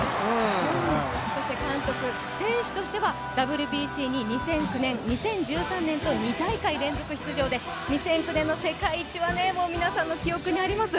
監督、選手としてはＷＢＣに２００９年、２０１３年と２大会連続出場で２００９年の世界一は皆さんの記憶にあります。